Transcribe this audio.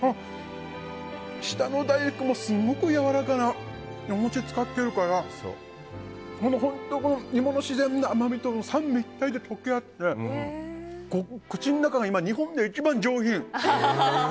下の大福もすごくやわらかなお餅使ってるから本当に、芋の自然な甘みと三位一体で溶け合って口の中が今、日本で一番上品。